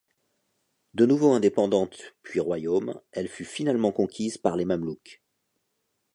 De nouveau indépendante, puis royaume, elle fut finalement conquise par les Mamelouks.